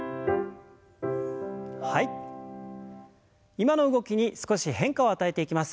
今の動きに少し変化を与えていきます。